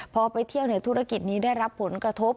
พอไปเที่ยวในธุรกิจนี้ได้รับผลกระทบ